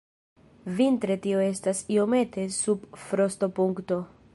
Vintre tio estas iomete sub frostopunkto.